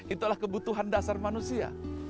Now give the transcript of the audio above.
itulah kebutuhan dasar manusia